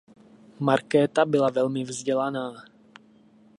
Markéta byla velmi vzdělaná.